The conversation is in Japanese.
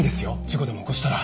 事故でも起こしたら。